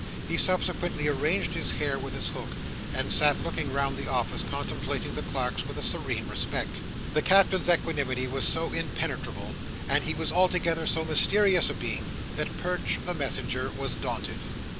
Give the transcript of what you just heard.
He subsequently arranged his hair with his hook, and sat looking round the office, contemplating the clerks with a serene respect. The Captain's equanimity was so impenetrable, and he was altogether so mysterious a being, that Perch the messenger was daunted.